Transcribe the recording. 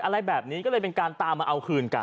อะไรแบบนี้ก็เลยเป็นการตามมาเอาคืนกัน